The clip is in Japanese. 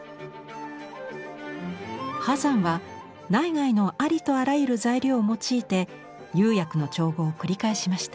波山は内外のありとあらゆる材料を用いて釉薬の調合を繰り返しました。